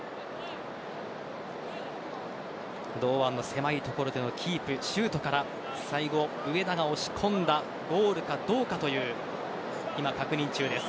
堂安の狭い所でのキープ、シュートから最後、上田が押し込んだゴールがどうかという今、確認中です。